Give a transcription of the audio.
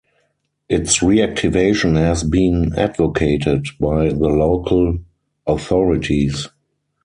Its reactivation has been advocated by the local authorities.